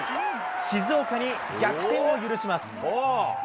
静岡に逆転を許します。